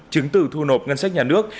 chứng từ thu nộp ngân sách nhà nước